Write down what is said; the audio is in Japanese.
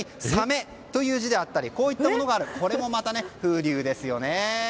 鮫という字だったりこういったものがあるこれもまた風流ですよね。